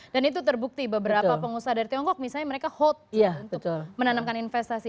dan itu terbukti beberapa pengusaha dari tiongkok misalnya mereka hold untuk menanamkan investasi